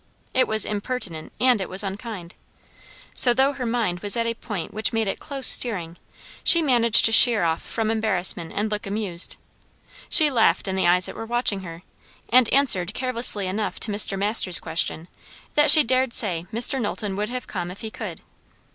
It was impertinent, and it was unkind. So, though her mind was at a point which made it close steering, she managed to sheer off from embarrassment and look amused. She laughed in the eyes that were watching her, and answered carelessly enough to Mr. Masters' question that she "dared say Mr. Knowlton would have come if he could."